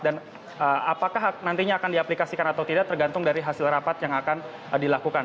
dan apakah nantinya akan diaplikasikan atau tidak tergantung dari hasil rapat yang akan dilakukan